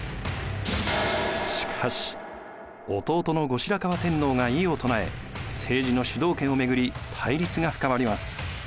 しかし弟の後白河天皇が異を唱え政治の主導権を巡り対立が深まります。